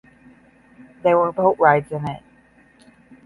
There were boat rides in it.